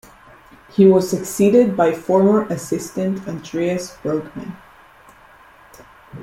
He was succeeded by former assistant Andreas Bergmann.